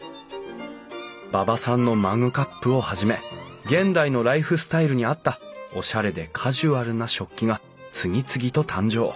馬場さんのマグカップをはじめ現代のライフスタイルに合ったおしゃれでカジュアルな食器が次々と誕生。